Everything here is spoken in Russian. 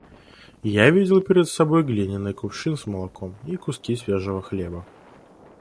Я видел перед собой глиняный кувшин с молоком и куски свежего хлеба.